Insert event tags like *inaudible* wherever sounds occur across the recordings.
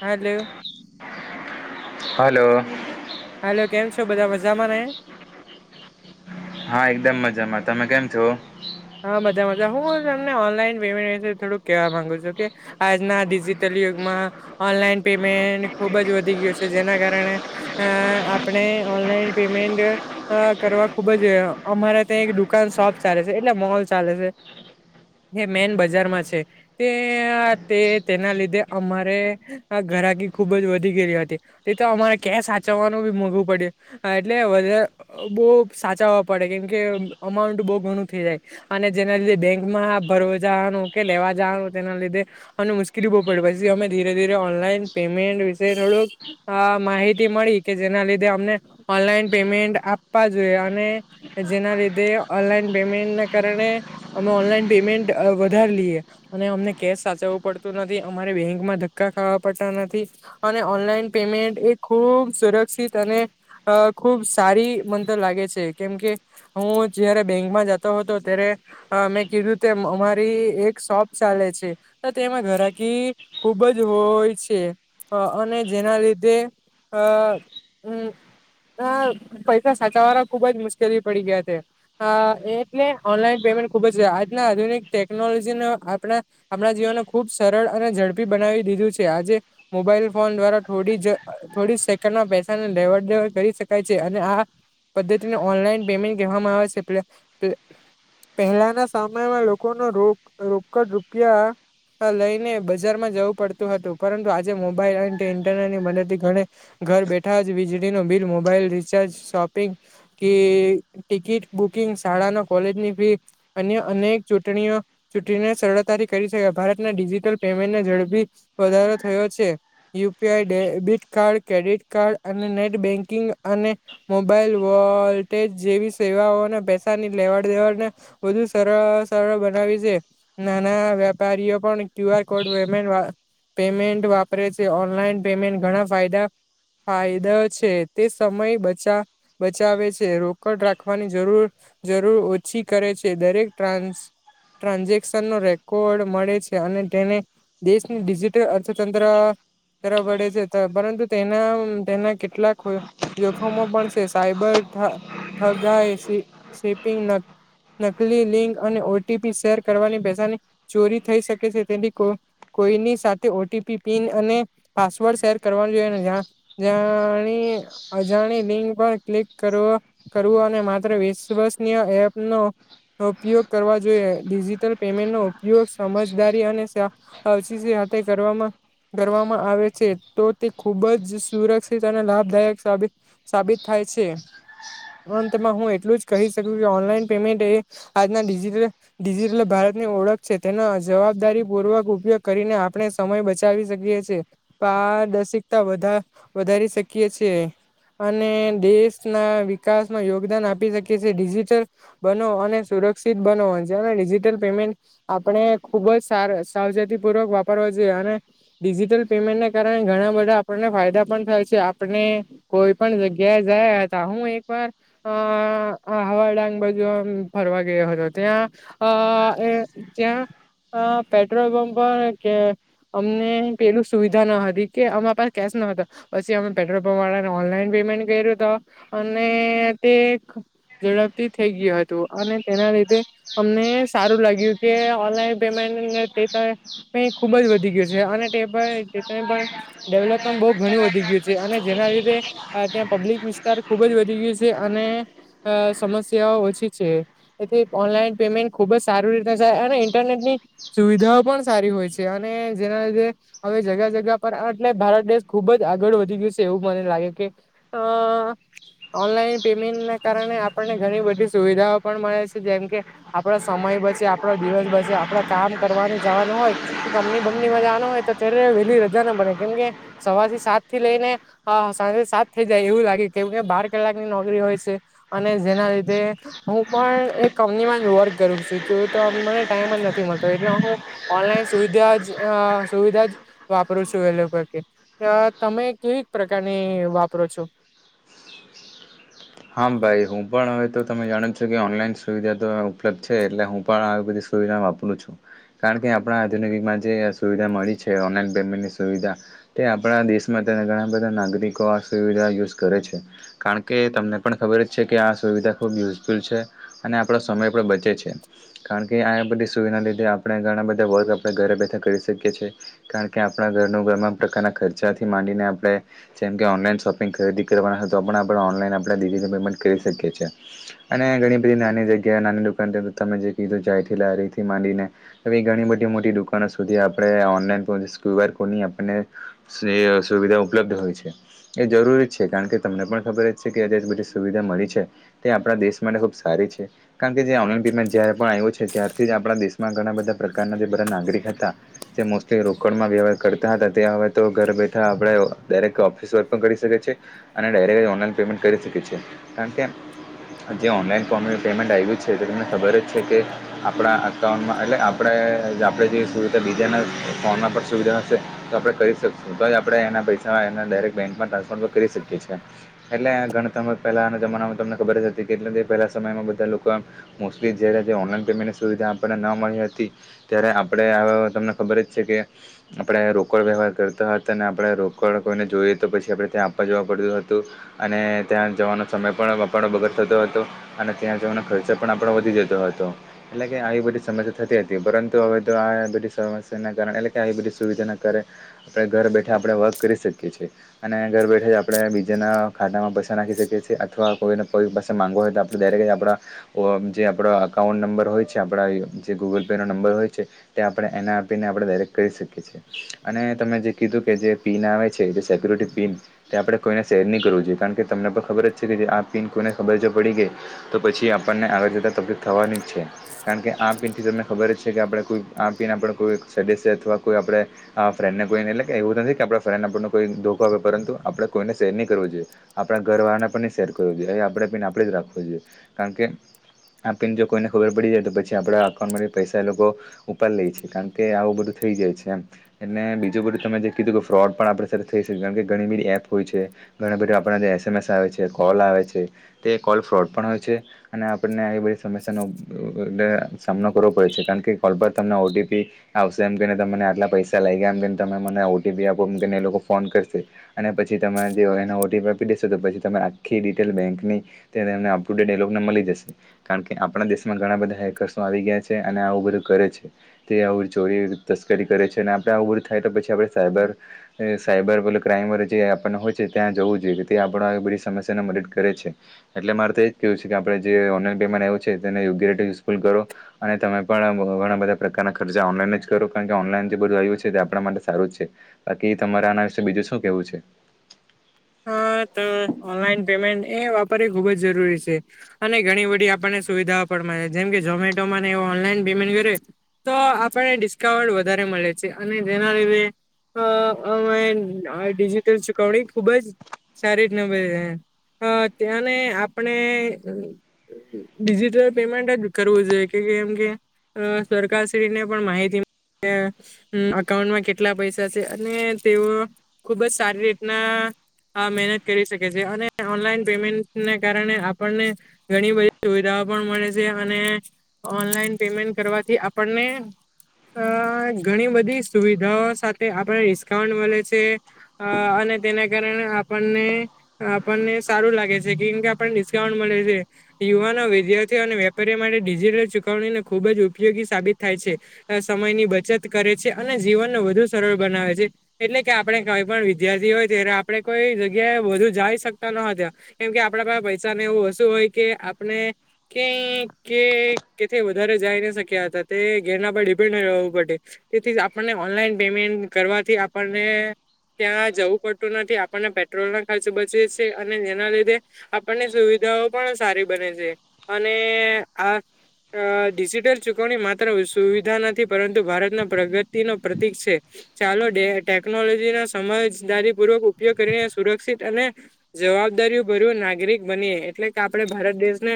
હાલો. Hello. Hello કેમ છો બધા મજામાં ને. હા એકદમ મજામાં. તમે કેમ છો? હા મજા-મજા હું તમને ઓનલાઈન પેમેન્ટ વિશે થોડુંક કેહેવા માંગુ છું કે આજના ડિજિટલ યુગમાં ઑનલાઇન પેમેન્ટ ખુબ જ વધી ગયું છે જેના કારણે અ આપણે ઓનલાઈન પેમેન્ટ કરવા ખુબ જ અમારા ત્યાં એક દુકાન શોપ ચાલે છે. એટલે મહોલ ચાલે છે. જે મેન બજારમાં છે તે તે તેના લીધે અમારે ઘરાકી ખૂબ જ વધી ગયલી હતી તે તો અમારે કેસ હાચવવાનું બી મોઘવું પડ્યું એટલે વધા બહુ સાચવા પડે કેમ કે અમાઉન્ટ બહુ ઘણું થઈ જાય અને જેના લીધે બેંકમાં ભરવા જવાનું કે લેવા જવાનું તેના લીધે અન મુશ્કેલી પછી ધીરે ધી ઓનલા પેમેન્ટ વિ થોડ માહિતી મળી કે જેના કે જે અમને ઑનલાઇન પેમેન્ટ આપવા જોઈએ અને જેના લીધે ઓનલાઈન પેમેન્ટના કારણે અમે ઓનલાઈન પેમેન્ટ વધાર લઈએ અને અમને કેશ સાચવવું પડતું નથી અમારે બેંકમાં ધક્કા ખાવા પડતા નથી અને ઓનલાઈન પેમેન્ટ એ ખૂબ સરસ અને અ ખુબ સારી મન તો લાગે છે કેમ કે હું જયારે બેક માં જતો હતો ત્યારે અ મે કીધું તેમ અમારી એક શોપ ચાલે છે તેમાં ઘરાકી ખુબ જ હોય છે અ અને જેના લીધે. હા હમ્મ. હ પૈસા સાચાવવાના ખુબ જ મુશ્કેલી પડી ગયા છે હ એટલે ઓનલાઈન પેમેન્ટ ખુબ જ છે આજના આધુનિક ટેકનોલોજી આપ આપણા જીવનને ખુબ સરળ અને ઝડપી બનાવી દીધું છે. આજે મોબાઈલ ફોન દ્વારા થોડી થોડી સેકન્ડમાં લેવડ દેવડ કરી શકાય છે અને આ પદ્ધતિ ઓનલાઈન પેમેન્ટ કહેવામાં આવે છે. પહેલાના સમયમાં લોકોનો રો રોકડ રૂપિયા લઈને બજારમાં જવું પડતું હતું પરંતુ આજે મોબાઈલ અને ઇન્ટરનેટ ની મદદ થી ઘણી ઘર બેઠા જ વીજળી ન બિલ મોબાઈલ રિચાર્જ શોપિંગ કે ટિકિટ બુકિંગસ શાળાના કોલેજની ફી અને્ય અનેક ચૂંટણીઓ ચૂંટણીને સરળતાથી કરી શકાય ભારતના ડી જિટલ પેમેન્ટને ઝડપી વધારો થયો છે U P I debit card, credit card અને નેટ બેન્કિંગ અને મોબાઈલ વોલટેેજ જેવી સેવાઓના પેસા ની લેવાડ દેવડને વધુ સરળ સરળ બનાવી છે. નાના વેપારીઓ પણ ક્યુ આર કોડ પેમેન્ટ વાપરે છે ઓનલાઈન પેમેન્ટ ઘણા ફાયદા ફાયદા છે. તે સમય બચા બચાવે છે રોકડ રાખવાની જરૂર જરૂર ઓછી કરે છે. દરેક ટ્રાન્સ ટ્રાન્ઝેક્શનનો રેકોર્ડ મળે છે અને તેને દેશની ડીજી ડિજિટલ અર્થતંત્ર તરફ વળે છે. પરંતુ તેના તેના કેટલાક જોખમો પણ છે, સાયબર થગ શિપિંગ નકલી લિંક અને ઓટીપી શેર કરવાની પસાની ચોરી થઈ શકે છે તેની કો કોઈની સાથે ઓટીપી પિન અને પાસવર્ડ શેર કરવાનું જોઈ, જા અજાણી લિંક પર ક્લિક કરવું અને માત્ર વ વિશ્વસનીય એપનોો ઉપયોગ કરવા જોઈએ, ડિજિટલ પેમેન્ટ નો ઉપયોગ સમજદારી અને સાથે કરવામાં કરવામાં આવે છે, તો તે ખુબ જ સુરક્ષિત અને લાભદાયક સાબિત સાબિત થાય અંતમાં હું એટલું જ કહી શક કે ઓનલાઈન પેમેન્ટ એ આજના ડિજિટલ ભારતની ઓળખ છે, તેના જવાબ જવાબદારી પૂર્વક ઉપયોગ કરીને આપણે સમય બચાવી શકીએ છીએ, પારદર્શિકતા વધારે વધારી શકીએ છેએ અને દેશ ના વિકાસમાં યોગદાન આપી શકી ટલ બનો અને સુરક્ષિત બનો છેિટ પેમેન્ટ આપણેબ સાવચે પૂર્વક વાપરો જોઈએ, અને ડિજિટલ પેમેન્ટને કારણે ઘણા બધા આપને પણ થાય છે આપને કોઈ પણ જગ્યાએ જયા હતા હું એક વાર અ આ હવાઈ ડાંગ બધુ આમ ફરવા ગયો હતો ત્યાં અ એ ત્યાં હા પેટ્રોલ પંપને કે અમને પેલું સુવિધા ન હતી કે અમા પાસે કેશ ન હતો, પછી અમે પેટ્રોલ પંપ વાળાને ઓનલાઈન મે કર્યો અને તે ઝડપથી થઈ ગયું હતું, અને તેના લીધે અમને સારું લાગ્યું કે ઓનલાઈન ખુબ વધી ગયેપ પણ બહુ ઘણી વધી ગયું છે, અને જેના લીધે ત્યાં પબ્લિક વિસ્તાર ખુબ જ વધી ગયું છે. અને અ સમસ્યાઓ ઓછી છે એથી ઓનલાઈન પેમેન્ટ ખુબ જ સારી રીતે થાય અને ઇન્ટરનેટ ની સુવિધાઓ પણ સારી હોય છે, અને જેના લીધે હવે જગ્યા જગ્યા પર એટલે ભારત દેશ ખૂબ ખબ જ આગળ વધી ગયું છે, એવું મને લાગે કે ઓનલાઈન પેમેન્ટ કારણે આપણને ઘણી બધી સુવિધાઓ પણ મળે છે, જેમકે આપડો સમય બચે આપડો દિવસ બસે આપડા કામ કરવાને જવાનું હોય કે કમપની બમનીમાં જવાનું હોય તો ત્યારે વહેલી રજા ના બને કેમ કે સવારથી સાત થી લઈ ને સાંજથી સાત થઇ જાય એવું લાગે કેવું કે બાર કલાક ની નોકરી હોય છે. અને જેના લીધે હું પણ એક કંપનીમાં જ વર્ક કરું છું, છું તો મને ટાઈમ નથી મળતો એટલે હું ઓનલાઈન સુવિધા જ સુવિધા જ વાપરું છું, એ લોકો પકી અ તમે કેવી પ્રકારની વાપરો છો? હા, ભાઈ હું પણ હવે તો તમે જાણો છું કે ઓનલાઈન સુવિધા તો ઉપલબ્ધ છે, એટલે હું પણ આવી બધીવ રું છું કારણ કે આપણા આધુનિક જે સુવિધા મળી છે પેન્ટની સુવિધા તે આપણા દેશમાં તેના ઘણા બધા નાગરિકો આ સુવિધા યુઝ કરે છે, કારણ કે તમને પણ ખબર જ છે કે આ સુવિધા ખૂબ યુઝફુલ છે અને આપણો સમય પણ બચે છે, કારણ કે આ બધી સુવિધા લીધે આપણે ઘણા બધા વર્ક આપણે ઘરે બેઠા કરી શકીએ છીએ, કારણ કે આપણા ઘરનું ગ ખર્ચાથી માંડીને આપણે જેમ ઓનલાન શોપિંગ ખરીદી કરવાના તો પણ આપણે ઓનલા આપણે ડડી રતે પેમેન્ટ કરી શકીએ છીએ, અને ઘણી બધી નાની જગ્યાએ નાની દુકાનથી તમે જે કીધું જાય લારીથી માંડીને ઘણી બધી મોટી દુકાનો સુધી આપણે ઓનલાઈન્યુર કો આપ સુવિધા ઉપલબ્ધ હોય છે એ જરૂરી છે, કારણ કે તમને પણ ખબર ત બધી સુવિધા મળી છે તે આપણા દેશ માટે ખુબ સારી છે, કારણ કે જે ઓનલાઈન પેમેન્ટ જયારે પણ આવ્યું છે, ત્યારથી જ આપણા દેશમાં ઘણા બધા પ્રકારના જે બધા નાગરિક હતા જે મોસ્ટલી રોકડમાં વ્યવહાર કરતા હતા, તે હવે તો ઘર બેઠા આપણે દરેક ઓસ વર્ક કરી શકે છે અને ડક ઓલા પેમેન્ટ કરી શકે છે, કારણ કે જે ઓનલાઈન પેમેન્ટ આવ્યું છે તો તમને ખબર જ છે, કે આપણા અકાઉન્ટમાં એટલે આપણા આપણે જે સુવ બીજાના ફોન પણ સુવિધા હશે, તો આપણે કરી શકશું તો જ આપણે એના ક બેંકમાં ટ્રાન્સફર કરી શકીએએ એટલે ગણાત પહેલા જમાનામાં તમને ખબર જ હતી, કેટ પેલા સમયમાં બધા લોકો મોલી જે ઓનલાઈન પેમેન્ટની સુવિધા આપણને ન મળી હતી ત્યારે આપણે તમને ખબર જ છે કે આપણે રોકડ વ્યવહાર કરતા હતા અને આપણે રોકડ કોઈને જોઈએ તો પછી આપણે ત્યાં આપવા જવા પડતું હતું અને ત્યાં જવાનો સમય પણ આપણો બગડ થતો હતો અને ત્યાં જવાનો ખર્ચ પણ આપણો વધી જતો હતો એટલે કે આવી બધી સમસ્યા થતી હતી પરંતુ હવે તો આ બધી સમ્યા ના કારણે એટલે કે આવી બધી જેના કારણે આપણે ઘર બેઠા આપણે વર્ક કરી શકીએ છીએ અને ઘર બેઠા આપણે બીજેના ખાતામાં પૈસા નાખી શકીએ છીએ અથવા કોઈને કોઈ પાસે મામાંગવો હોય તો આપણેું ડાયરેક આપણા જે આપણા અકાઉન્ટ નંબર હોય છે આપણા જે ગૂગલ પેનો નંબર હોય છે તે આપણે એનાઆરપીને આપણે ડાયરેક્ટ કરી શકીએ છીએ અને તમે જે કીધું કે જે પિન આવે છે જે સેકુરિટી પિન તે આપણે કોઈને શેર નહી કરવું જોઈએ જે કારણ કે તમને પણ ખબર જ છે કે આ પિન કોને ખબર જો પડી ગઈ તો પછી આપણને આગળ જતા તકલીફ થવા છે કારણ કે આ પીનથી તમને ખબર જ છે કે આપણે કોઈ આ પીને આપ કોઈ સદસ અથવા કોઈ આપણે આ ફ્રેન્ડ ને કોઈને એટલે કે એવું નથી કે આપ ફ્રેન્ડને આપ કોઈ ધોખો આવે પરુ આપડ કોઈને શેર નહી કરવું જોઈએ આપણા ઘરવાળાના પણ શેર કરવો જોઈએ એ આપણે પણને આપણે જ રાખવું જોઈએ કારણ કે આપીને જો કોઈને ખબર પડી જાય તો પછી આપણા અકાઉન્ટમાંથી પૈસા એ લોકો ઉપા લે છે કારણ કે આવું બધું થઈ જાય છે એમ એટલે બીજું બધું તમે જે કીધું કે ફ્રોડ પણ આપણી સાથે થઈ શકે કારણ કે ઘણી બધી એપ હોય છે ઘણા બધું આપણા જે એસએમએસ આવે છે કોલ આવે છે તે કોલ ફ્રોડ પણ હોય છે અને આપણને સમસ્યાનો સામનો કરવો પડે છે કારણ કે કોલ પર તમને ઓટીપી આવશે એમ કહીને તમને આટલા પૈસા લાગ ગયા એમ ને તમે મને ઓટીપી આપોમ કેને એ લોકો ફોન કરશે અને પછી તમે જે એના ઓટીપી દેશો તો પછી તમે આખી ડિટેલ બેંકને અપ ટુેટ ડલોગને મળી જશે કારણ કે આપણા દેશ ઘણા બધા હેકર્સો આવી ગયા છે અને આવું બધું કરે છે તે આવું ચોરી તસ્કરી કરે છે અને ઊભું થાય તો પછી આપે સાયબર સાયબરલે ક્રાઈમ વ જે આપણને હોય છે ત્યાં જવું જોઈએ આપ બધી સમસ્યા ને મદદ કરે છે એટલે મારે તો એજ કેવું છે કે આપણે જે ઓન ટાઈ આવ છે તે ો અને તમે પણ ઘણા બધા પ્રકારના ખર્ચા ઓનલાન જ કરો કારણ કે ઓનલા બધું આપણા માટે સારું જ છે બાકી તમારે આના વિશે બીજું શું કેવું છે *inaudible* હા તો ઓનલાઈન પેમેન્ટ એ વાપરી ખુબ જ જરૂરી છે અને ઘણી બધી આપણને સુવિધ જેમકે ઝમેટો ઓનલાન પેમેન્ટ કર તો આપણને ડિસ્કાઉન્ટ વધારે મળે અને જેના લીધે અ અમે ડિજિટલ ચુકવણી ખુબ જ સારી અ ત્યાંને આપણે ડિજિટલ પેમેન્ટ જ કરવું જોઈએ કે કેમ કે સરકારશ્રી ને પણ માહિતી અકાઉન્ટમાં કેટલા પૈસા છે અને તેઓ ખુબ જ સારી રીતના મહેનત કરી શકે છે અને ઓનલાઈન પેમેન્ટને કારણે આપણને ઘણી બધી સુવિધા મળે છે અને ઓનલાઈન પેમેન્ટ કરવાથી આપણને અ ઘણી બધી સુવિધાઓ સાથે આપણે ડિસ્કાઉન્ટ મળે છે અને તેને આપ આપણને સારું લાગે છે કેમ કે આપણને ડિસ્કાઉન્ટ મળે છે યુવાન વિદ્યાર્થીઓ અને વેપારીઓ માટે ડિજિટલ ચુકવણીને ખુબ જ ઉપયોગી સાબિત થાય છે સમયની બચત કરે છે અને જીવનને વધુ સરળ બનાવે છે એટલે કે આપણે કઈ પણ વિદ્યાર્થી હોય ત્યારે આપે કોઈ જગ્યાએ વધુ જઈ શકતા ન હતા કેમકે આપડા પાસે પૈસા ને એવું વશુ હોય કે આપણે કે વધારે જાય ન શક્યા હતા તે ઘેરના પર ડિપેન્ડ રહેવું પડ તેથી આપણને ઓનલાઈન પેમેન્ટ કરવાથી આપણને ત્યાં જવું પડતું નથી થી આપણને પેટ્રોલ ના ખર્ચ બચે છે અને જેના લીધે આપણની સુવિધાઓ પણ સારી બને છે અને આ અ ડિજિટલ ચુકવણી માત્ર સુવિધા નથી પરંતુ ભારતના પ્રગતિ ન પ્રતિક છે ચાલો ડ ટેકનોલોજી ના સમજદારી પૂર્વક ઉપયોગ કરીને સુરક્ષિત અને જવાબદારીઓ ભર્યું નાગરિક બનીએ એટલે કે આપણે ભારત દેશને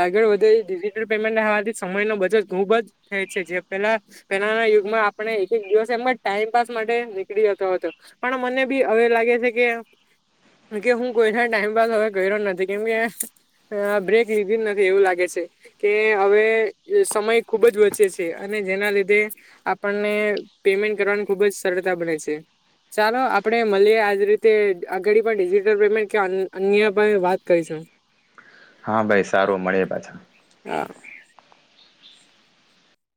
આગળ વધે ડિજટલ પેમેન્ટવાથી સમય ન બજ ખુબ જ થાય છે જે પેલા પેલા યુગમાં આપણે એક એક દિવસ એમ ટાઈપ માટે નીકળી જતો હતો પણ મને બી હવે લાગે છે ગ કે હું કોઈ ટાઈમપ હવે કર્યો નથી કેમકે બ્રેક લીધી નથી એવું લાગે છે કે હવે સમય ખુબ જ વચે છે અને જેના લીધે આપણને પેમેન્ટ કરવાની ખુબ જ સરળતા બને છે ચાલો આપણે મલીએ આજ રી તે આગડી પણ ડિજિટલ પેમેન્ટ કે અન્ય પણ વાત *unintelligible* હા ભાઈ સારું મળીએ પાછા હા.